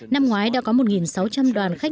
năm ngoái đã có một sáu trăm linh đoàn khách nước ngoài